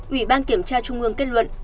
ủy ban kiểm tra trung ương kết luận